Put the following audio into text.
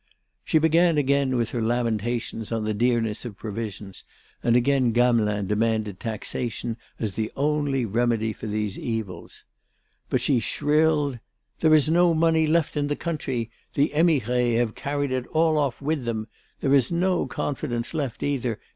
She began again with her lamentations on the dearness of provisions, and again Gamelin demanded taxation as the only remedy for these evils. But she shrilled: "There is no money left in the country. The émigrés have carried it all off with them. There is no confidence left either.